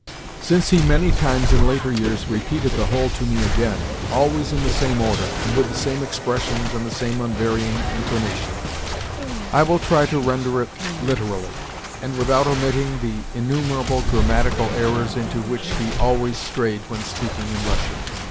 Since he many times in later years repeated the whole to me again—always in the same order, and with the same expressions and the same unvarying intonation—I will try to render it literally, and without omitting the innumerable grammatical errors into which he always strayed when speaking in Russian.